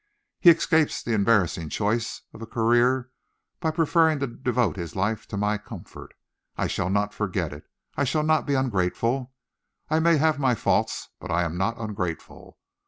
He escapes the embarrassing choice of a career by preferring to devote his life to my comfort. I shall not forget it. I shall not be ungrateful. I may have my faults, but I am not ungrateful.